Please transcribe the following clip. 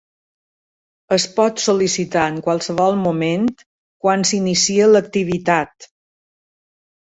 Es pot sol·licitar en qualsevol moment, quan s'inicia l'activitat.